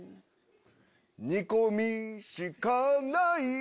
煮込みしかない